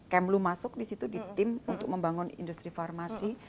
kemlu masuk di situ di tim untuk membangun industri farmasi